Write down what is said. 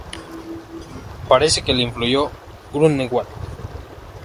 Parece que le influyó Grünewald.